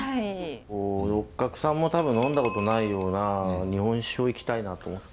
六角さんも多分呑んだことないような日本酒をいきたいなと思って。